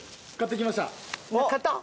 買った？